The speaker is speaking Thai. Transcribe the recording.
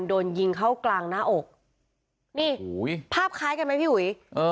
โดนยิงเข้ากลางหน้าอกนี่ภาพคล้ายกันไหมพี่อุ๋ย